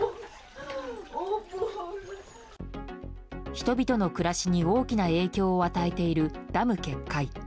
人々の暮らしに大きな影響を与えているダム決壊。